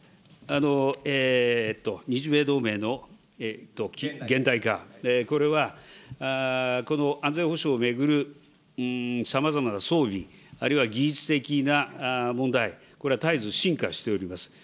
日米同盟の現代化、これは安全保障を巡るさまざまな装備、あるいは技術的な問題、これはたえず進化しております。